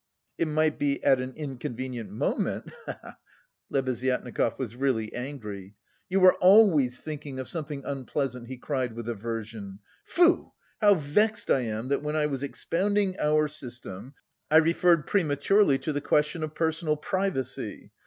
"It might be at an inconvenient moment, he he!" Lebeziatnikov was really angry. "You are always thinking of something unpleasant," he cried with aversion. "Tfoo! How vexed I am that when I was expounding our system, I referred prematurely to the question of personal privacy!